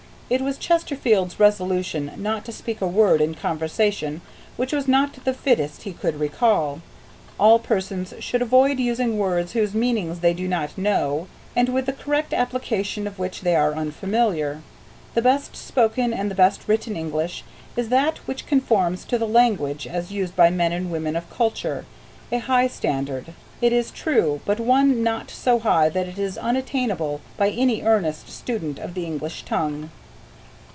It was Chesterfield's resolution not to speak a word in conversation which was not the fittest he could recall. All persons should avoid using words whose meanings they do not know, and with the correct application of which they are unfamiliar. The best spoken and the best written English is that which conforms to the language as used by men and women of culture a high standard, it is true, but one not so high that it is unattainable by any earnest student of the English tongue.